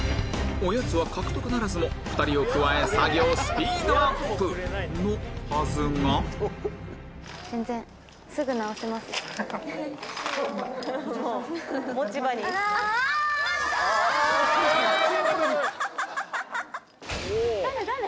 おやつは獲得ならずも２人を加え作業スピードアップのはずが誰々？